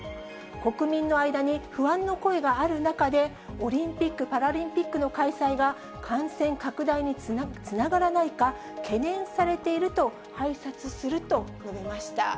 国民の間に不安の声がある中で、オリンピック・パラリンピックの開催が、感染拡大につながらないか懸念されていると拝察すると述べました。